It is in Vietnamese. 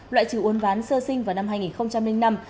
loại trừ uốn ván sơ sinh vào năm hai nghìn năm